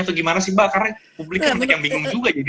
atau gimana sih mbak karena publik banyak yang bingung juga jadi